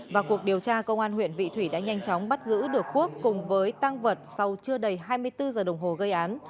và cuộc điều tra công an huyện vị thủy đã nhanh chóng bắt giữ được quốc cùng với tăng vật sau chưa đầy hai mươi bốn giờ đồng hồ gây án